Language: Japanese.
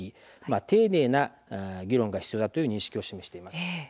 丁寧な議論が必要だという認識を示しています。